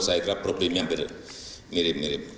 saya kira problemnya mirip mirip